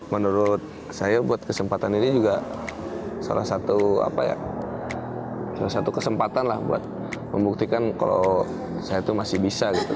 menurut saya buat kesempatan ini juga salah satu kesempatan lah buat membuktikan kalau saya itu masih bisa gitu